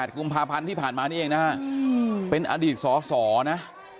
กุมภาพันธ์ที่ผ่านมานี่เองนะฮะเป็นอดีตสสนะ